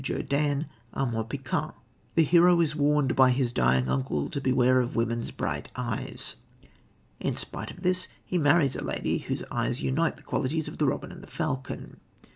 Jerdan, are more piquant. The hero is warned by his dying uncle to beware of women's bright eyes. In spite of this he marries a lady, whose eyes unite the qualities of the robin and the falcon.